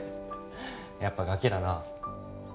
やっぱガキだな